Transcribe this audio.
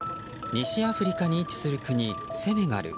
西アフリカに位置する国セネガル。